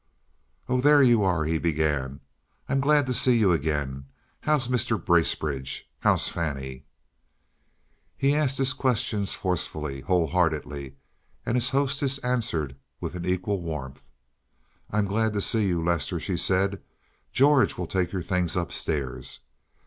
"Oh, there you are," he began. "I'm glad to see you again. How's Mr. Bracebridge? How's Fannie?" He asked his questions forcefully, whole heartedly, and his hostess answered with an equal warmth. "I'm glad to see you, Lester," she said. "George will take your things up stairs.